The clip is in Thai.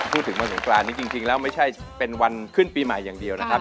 พูดถึงวันสงกรานนี้จริงแล้วไม่ใช่เป็นวันขึ้นปีใหม่อย่างเดียวนะครับ